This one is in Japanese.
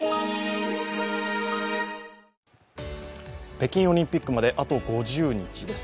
北京オリンピックまであと５０日です。